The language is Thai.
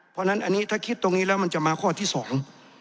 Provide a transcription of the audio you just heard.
เพราะฉะนั้นอันนี้ถ้าคิดตรงนี้แล้วมันจะมาข้อที่สอง